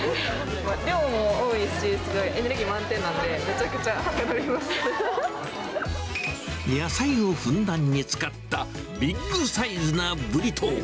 量も多いし、すごいエネルギー満点なんで、めちゃくちゃはかどり野菜をふんだんに使ったビッグサイズなブリトー。